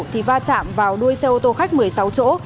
thì va chạm vào đuôi xe ô tô khách một mươi sáu chỗ